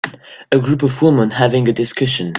A group of women having a discussion.